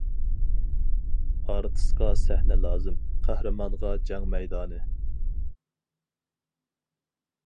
ئارتىسقا سەھنە لازىم، قەھرىمانغا جەڭ مەيدانى.